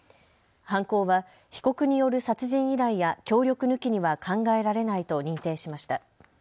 犯行は被告による殺人依頼や協力抜きには考えられないと認定しました。